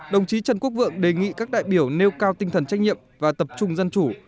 đồng chí trần quốc vượng đề nghị các đại biểu nêu cao tinh thần trách nhiệm và tập trung dân chủ